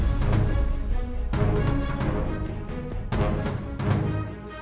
kamu lebih dapat ngebet peliak